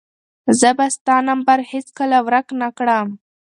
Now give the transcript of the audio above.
زه به ستا نمبر هیڅکله ورک نه کړم.